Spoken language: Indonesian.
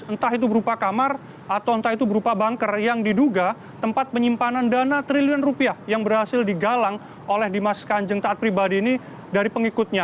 entah itu berupa kamar atau entah itu berupa banker yang diduga tempat penyimpanan dana triliun rupiah yang berhasil digalang oleh dimas kanjeng taat pribadi ini dari pengikutnya